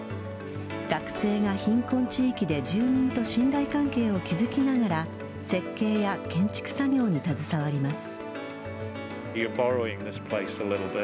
学生が貧困地域で住民と信頼関係を築きながら設計や建築作業に携わります。